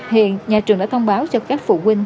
hiện nhà trường đã thông báo cho các phụ huynh